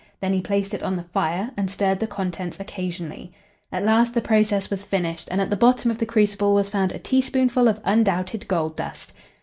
Then he placed it on the fire, and stirred the contents occasionally. At last the process was finished, and at the bottom of the crucible was found a teaspoonful of undoubted gold dust.